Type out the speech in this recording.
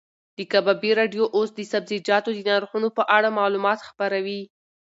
د کبابي راډیو اوس د سبزیجاتو د نرخونو په اړه معلومات خپروي.